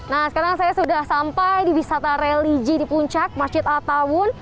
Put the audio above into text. nah sekarang saya sudah sampai di wisata religi di puncak masjid al tawun